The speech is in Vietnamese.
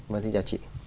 vâng xin chào chị